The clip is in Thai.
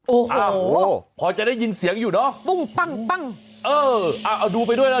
โอ้โหพอจะได้ยินเสียงอยู่เนอะปุ้งปั้งปั้งเออเอาดูไปด้วยนะ